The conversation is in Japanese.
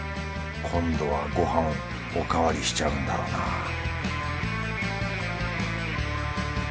今度はご飯おかわりしちゃうんだろうなぁ